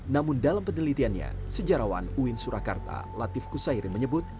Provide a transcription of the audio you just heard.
namun dalam penelitiannya sejarawan uin surakarta latif kusairi menyebut